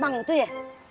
mak wanna seat daughter